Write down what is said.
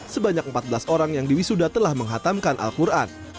sebanyak empat belas orang yang di wisuda telah menghatamkan al quran